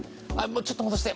ちょっと戻して。